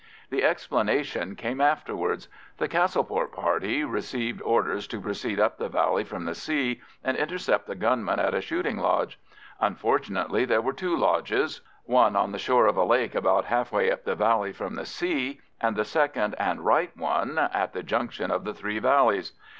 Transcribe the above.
The explanation came afterwards. The Castleport party received orders to proceed up the valley from the sea, and intercept the gunmen at a shooting lodge. Unfortunately there were two lodges—one on the shore of a lake about half way up the valley from the sea, and the second and right one at the junction of the three valleys.